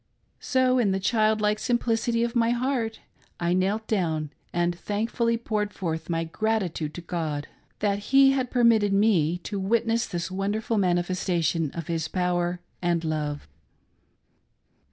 So, in the childlike sim plicity of my heairt, I knelt down and thankfully poured forth my gratitude to God that he had permitted me to witness this wonderful manifestation of his power and love.